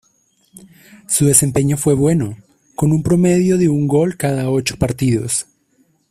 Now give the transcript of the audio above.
Su desempeño fue bueno, con un promedio de un gol cada ocho partidos.